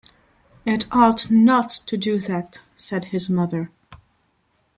“It ought not to do that,” said his mother.